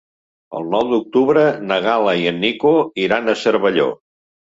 El nou d'octubre na Gal·la i en Nico iran a Cervelló.